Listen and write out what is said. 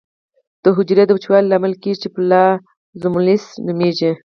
د حجرې د وچوالي لامل کیږي چې پلازمولیزس نومېږي.